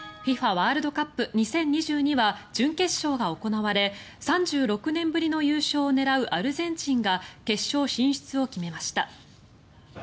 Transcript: ワールドカップ２０２２は準決勝が行われ３６年ぶりの優勝を狙うアルゼンチンが決勝進出を決めました。